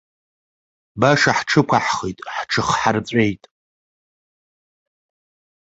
Баша ҳҽықәаҳхит, ҳҽыхҳарҵәеит!